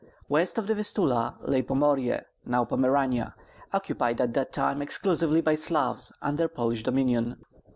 West of the Vistula lay Pomorye, now Pomerania, occupied at that time exclusively by Slavs under Polish dominion.